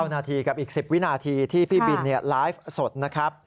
๙นาทีกับอีก๑๐วินาทีที่พี่บินไลฟ์สดนะครับ